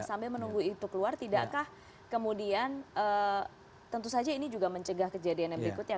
sambil menunggu itu keluar tidakkah kemudian tentu saja ini juga mencegah kejadian yang berikutnya